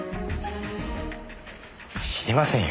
知りませんよ。